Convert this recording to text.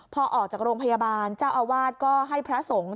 พอออกจากโรงพยาบาลเจ้าอาวาสก็ให้พระสงฆ์